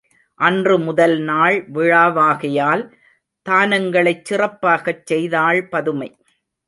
அன்று முதல்நாள் விழாவாகையால் தானங்களைச் சிறப்பாகச் செய்தாள் பதுமை.